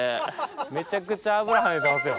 めちゃくちゃ油跳ねてますよ。